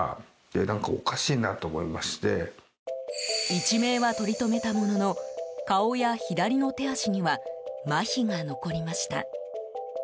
一命は取りとめたものの顔や左の手足にはまひが残りました。